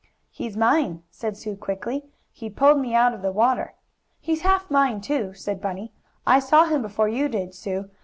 "He's mine," said Sue quickly. "He pulled me out of the water." "He's half mine, too," said Bunny. "I saw him before you did, Sue.